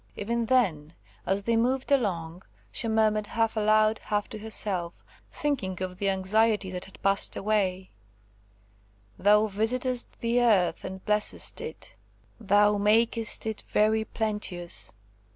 Even then, as they moved along, she murmured half aloud, half to herself, thinking of the anxiety that had passed away,–"Thou visitest the earth, and blessest it; Thou makest it very plenteous."